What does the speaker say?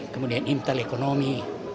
kemudian intel ekonomi